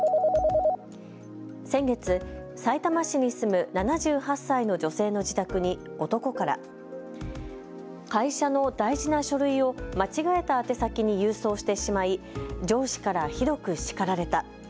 先月、さいたま市に住む７８歳の女性の自宅に男から会社の大事な書類を間違えた宛先に郵送してしまい上司からひどく叱られた。